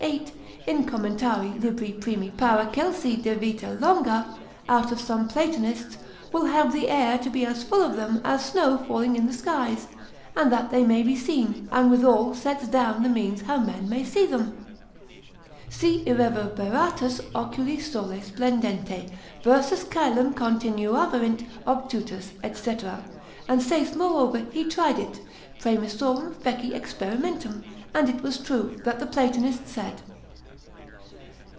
8, in Commentar. l. 1. Paracelsi de vita longa, out of some Platonists, will have the air to be as full of them as snow falling in the skies, and that they may be seen, and withal sets down the means how men may see them; Si irreverberatus oculis sole splendente versus caelum continuaverint obtutus, &c., and saith moreover he tried it, praemissorum feci experimentum, and it was true, that the Platonists said.